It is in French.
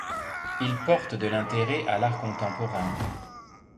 Il porte de l'intérêt à l'art contemporain.